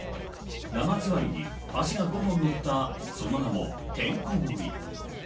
生ずわいに脚が５本のった、その名もてんこ盛り。